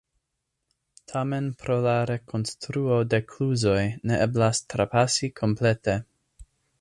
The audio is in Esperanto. Tamen pro la rekonstruo de kluzoj ne eblas trapasi komplete.